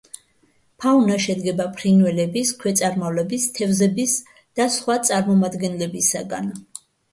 ფაუნა შედგება ფრინველების, ქვეწარმავლების, თევზების და სხვა წარმომადგენლებისაგან.